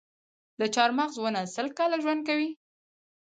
د چهارمغز ونه سل کاله ژوند کوي؟